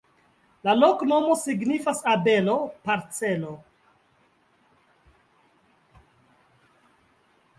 La loknomo signifas: abelo-parcelo.